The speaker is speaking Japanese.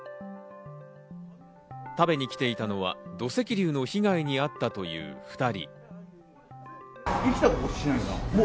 食べに来ていたのは土石流の被害にあったという２人。